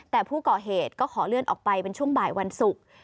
แต่ผู้ก่อเหตุก็ขอเลื่อนออกไปเป็นช่วงบ่ายวันศุกร์